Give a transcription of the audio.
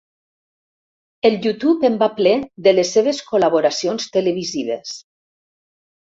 El YouTube en va ple, de les seves col·laboracions televisives.